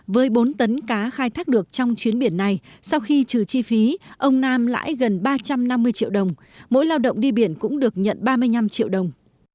với bốn tấn cá khai thác được trong chuyến biển này sau khi trừ chi phí ông nam lãi gần ba trăm năm mươi triệu đồng mỗi lao động đi biển cũng được nhận ba mươi năm triệu đồng